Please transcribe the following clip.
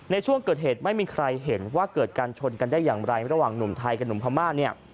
ในช่วงเกิดเหตุไม่มีใครเห็นว่าเกิดการชนกันได้อย่างไรระหว่างหนุ่มไทยกับหนุ่มพม่าเนี่ย